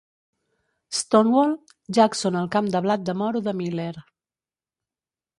"Stonewall", Jackson al camp de blat de moro de Miller.